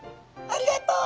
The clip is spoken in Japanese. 「ありがとう」？